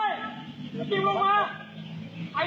มึงด่ากูทำไม